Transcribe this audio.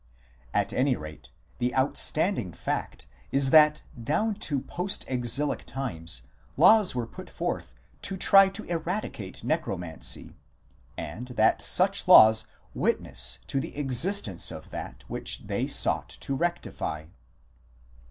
At any rate, the outstanding fact is that down to post exilic times laws were put forth to try to eradicate Necromancy, and that such laws witness to the existence of that which they sought to rectify.